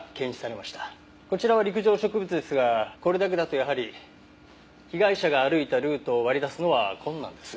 こちらは陸上植物ですがこれだけだとやはり被害者が歩いたルートを割り出すのは困難です。